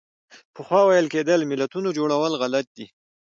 پخوا ویل کېدل ملتونو جوړول غلط دي.